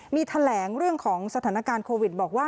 มีแถลงเรื่องของสถานการณ์โควิดบอกว่า